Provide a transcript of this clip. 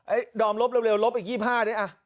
ดอมลบเร็วลบอีก๒๕นี่อ่ะ